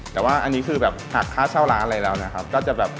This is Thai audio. แต่ว่าค่าเช่าร้านเลยแล้วนะครับ